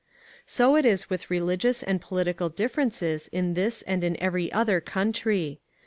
So it is with the religious and political differences in this and in every other country.